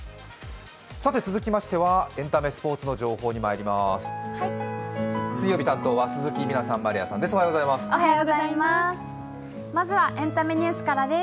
続きましてはエンタメ・スポーツの情報にまいります。